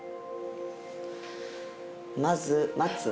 まず松を。